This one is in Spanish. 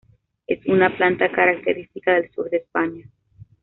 Es una planta característica del sur de España.